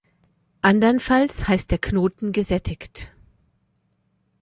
Andernfalls heißt der Knoten "gesättigt.